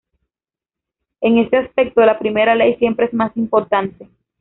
En ese aspecto la Primera Ley siempre es más importante.